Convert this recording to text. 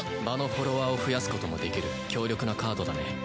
場のフォロワーを増やすこともできる強力なカードだね。